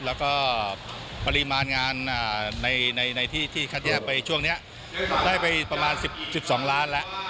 และปริมาณงานในที่คัดแยกไปช่วงนี้ได้ไปประมาณ๑๒ล้านแยก